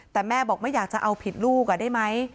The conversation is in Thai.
แต่แม่บอกไม่อยากจะเอาผิดลูกได้ไหม